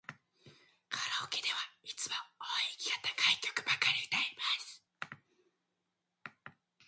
カラオケではいつも音域が高い曲ばかり歌います。